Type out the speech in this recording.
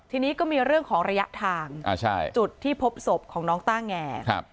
ทีนี้ก็มีเรื่องของระยะทางจุดที่พบศพของน้องต้าแงครับ